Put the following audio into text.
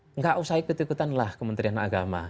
tidak usah ikut ikutanlah kementerian agama